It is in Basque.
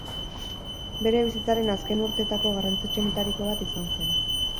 Bere bizitzaren azken urtetako garrantzitsuenetariko bat izan zen.